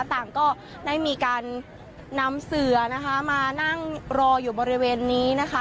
ต่างก็ได้มีการนำเสือนะคะมานั่งรออยู่บริเวณนี้นะคะ